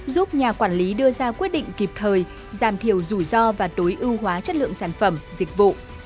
giúp nhà quản lý đưa ra quyết định kịp thời giảm thiểu rủi ro và tối ưu hóa chất lượng sản phẩm dịch vụ